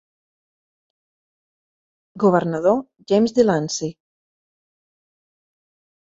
Governador James Delancey.